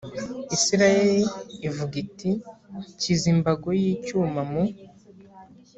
isirayeli ivuga iti nshyize imbago y icyuma mu